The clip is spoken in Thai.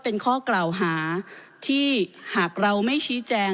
เป็นข้อกล่าวหาที่หากเราไม่ชี้แจง